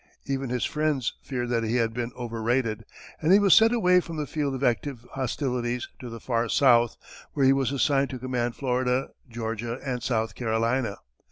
Even his friends feared that he had been over rated, and he was sent away from the field of active hostilities to the far South, where he was assigned to command Florida, Georgia and South Carolina.